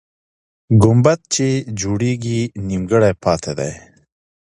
ګمبد چې جوړېږي، نیمګړی پاتې دی.